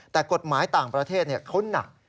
แต่กฎหมายต่างประเทศเขาหนัก